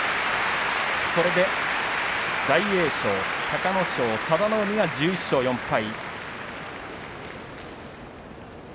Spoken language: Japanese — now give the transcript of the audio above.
これで隆の勝、大栄翔、佐田の海が１１勝４敗。